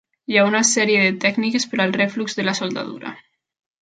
Hi ha una sèrie de tècniques per al reflux de la soldadura.